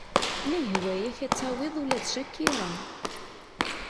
Ma yehwa-yak ad tawiḍ ula d CHAKIRA.